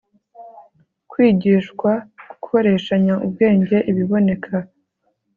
kwigishwa gukoreshanya ubwenge ibiboneka